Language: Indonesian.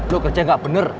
lo kerja gak bener